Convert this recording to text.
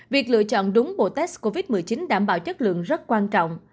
việc lựa chọn đúng bộ test covid một mươi chín đảm bảo chất lượng rất quan trọng